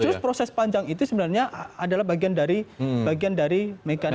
terus proses panjang itu sebenarnya adalah bagian dari bagian dari mekanisme